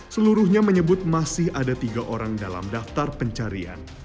seluruhnya menyebut masih ada tiga orang dalam daftar pencarian